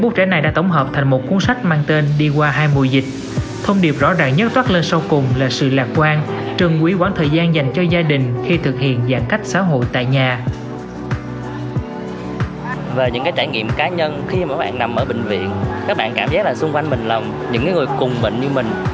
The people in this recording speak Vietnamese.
cảm giác là xung quanh mình là những người cùng bệnh như mình